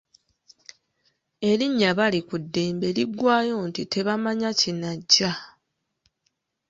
Erinnya Balikuddembe liggwayo nti Tebamanya kinajja.